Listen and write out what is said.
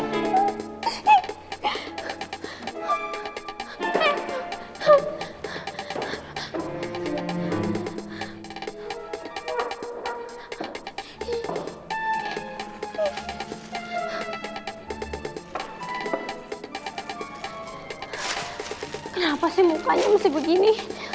kenapa sih mukanya masih begini